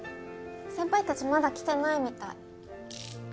先輩たちまだ来てないみたい。